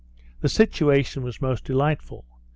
The situation was most delightful.